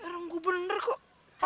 ranggu bener kok